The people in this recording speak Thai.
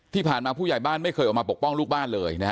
ที่ผ่านมาผู้ใหญ่บ้านไม่เคยออกมาปกป้องลูกบ้านเลยนะฮะ